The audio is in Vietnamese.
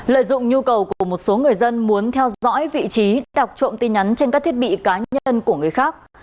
lợi dụng nhu cầu của một số người dân muốn theo dõi vị trí đọc trộm tin nhắn trên các thiết bị cá nhân của người khác